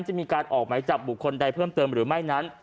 จะมีการออกไหมจับบุคคลใดเพิ่มเติมหรือไม่นั้น